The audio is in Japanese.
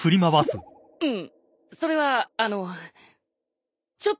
うんそれはあのちょっと待ってくれ。